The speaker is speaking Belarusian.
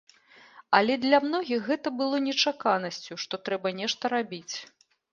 Але для многіх гэта было нечаканасцю, што трэба нешта рабіць.